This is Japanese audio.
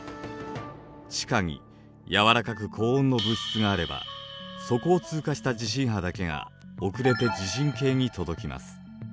地下に軟らかく高温の物質があればそこを通過した地震波だけが遅れて地震計に届きます。